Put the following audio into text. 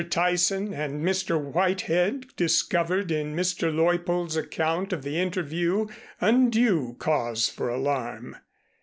Tyson and Mr. Whitehead discovered in Mr. Leuppold's account of the interview undue cause for alarm.